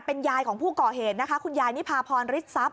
เป็นยายของผู้ก่อเหตุนะคะคุณยายนิพาพรฤทธทรัพย